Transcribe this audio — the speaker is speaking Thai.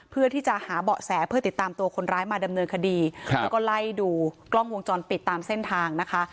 เพื่อที่จะหาเบาะแสเพื่อติดตามตัวคนร้ายมาดำเนินคดีครับแล้วก็ไล่ดูกล้องวงจรปิดตามเส้นทางนะคะ